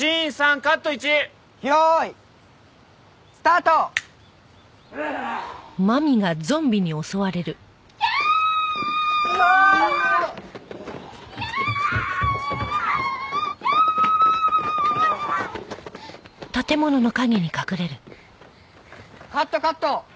カットカット！